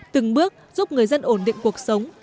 từng bước giúp người dân ổn định cuộc sống